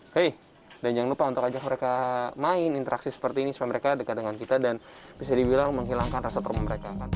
hei dan jangan lupa untuk ajak mereka main interaksi seperti ini supaya mereka dekat dengan kita dan bisa dibilang menghilangkan rasa trauma mereka